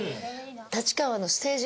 立川のステージ